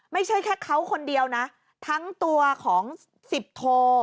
ไม่ใช่แค่เขาคนเดียวนะทั้งตัวของสิบโท